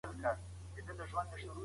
هر څومره ژبې چې زده وي هغومره ښه.